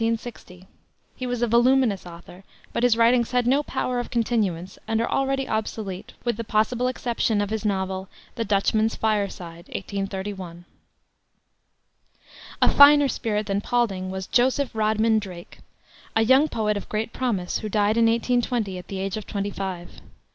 He was a voluminous author, but his writings had no power of continuance, and are already obsolete, with the possible exception of his novel, the Dutchman's Fireside, 1831. A finer spirit than Paulding was Joseph Rodman Drake, a young poet of great promise, who died in 1820, at the age of twenty five.